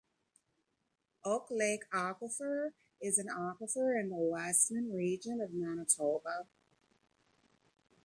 Oak Lake Aquifer is an aquifer in the Westman Region of Manitoba.